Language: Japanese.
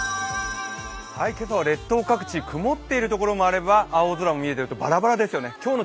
今朝は列島各地、曇っているところもあれば青空が見えているところもありバラバラですね。